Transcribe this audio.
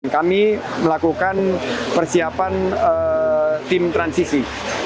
kami melakukan persiapan tim transisi